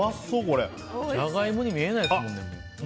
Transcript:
ジャガイモに見えないです。